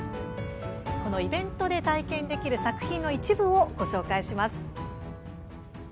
イベントで体験できる作品の一部をご紹介します。